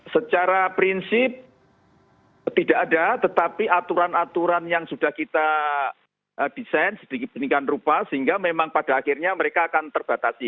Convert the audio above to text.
secara prinsip tidak ada tetapi aturan aturan yang sudah kita desain sedikit beningkan rupa sehingga memang pada akhirnya mereka akan terbatasi